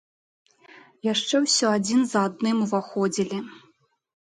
Яшчэ ўсё адзін за адным уваходзілі.